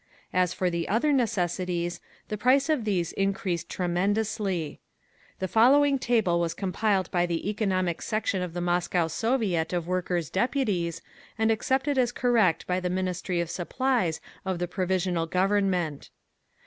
As for the other necessities, the price of these increased tremendously. The following table was compiled by the Economic section of the Moscow Soviet of Workers' Deputies, and accepted as correct by the Ministry of Supplies of the Provisional Government.